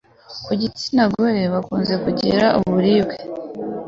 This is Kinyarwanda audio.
kugitsina gore bakunze kugira uburibwe